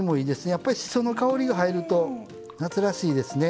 やっぱりしその香りが入ると夏らしいですね。